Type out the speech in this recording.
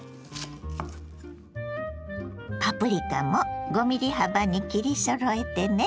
パプリカも５ｍｍ幅に切りそろえてね。